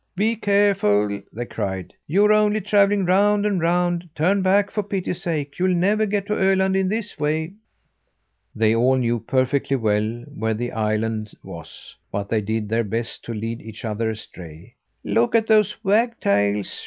"Be careful!" they cried. "You're only travelling round and round. Turn back, for pity's sake! You'll never get to Öland in this way." They all knew perfectly well where the island was, but they did their best to lead each other astray. "Look at those wagtails!"